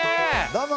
どうも。